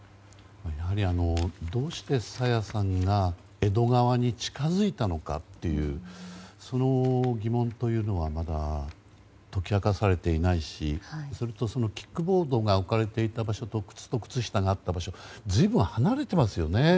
どうして朝芽さんが江戸川に近づいたのかというその疑問というのはまだ解き明かされていないしそれと、キックボードが置かれていた場所と靴と靴下があった場所ずいぶん離れていますよね。